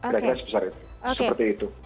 berarti sebesar itu